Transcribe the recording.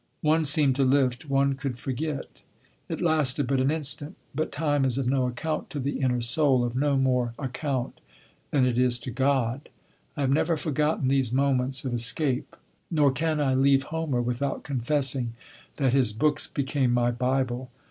One seemed to lift, one could forget. It lasted but an instant; but time is of no account to the inner soul, of no more account than it is to God. I have never forgotten these moments of escape; nor can I leave Homer without confessing that his books became my Bible.